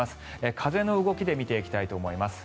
風の動きで見ていきたいと思います。